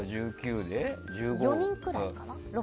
４人ぐらいかな。